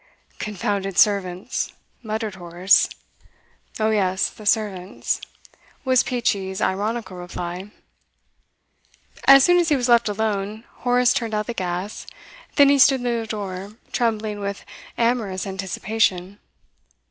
'Confounded servants,' muttered Horace. 'Oh yes, the servants,' was Peachey's ironical reply. As soon as he was left alone, Horace turned out the gas. Then he stood near the door, trembling with amorous anticipation.